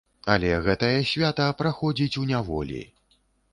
Але гэтае свята праходзіць у няволі.